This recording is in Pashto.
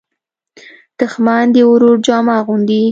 دښمن د ورور جامه اغوندي